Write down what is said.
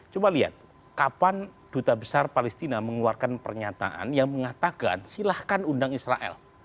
coba lihat kapan duta besar palestina mengeluarkan pernyataan yang mengatakan silahkan undang israel